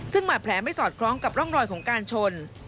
ซึ่งบาดแผลไม่สอดคล้องกับร่องรอยของการชน